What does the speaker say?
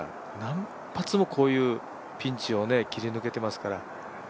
何発もこういうピンチを切り抜けてますから。